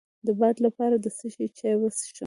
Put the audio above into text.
د باد لپاره د څه شي چای وڅښم؟